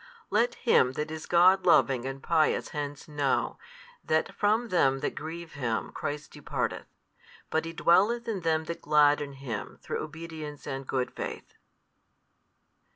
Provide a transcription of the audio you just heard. Let him that is God loving and pious hence know, that from them that grieve Him Christ departeth, but He dwelleth in them that gladden Him through obedience and good faith.